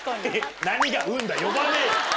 何が「うん」だ。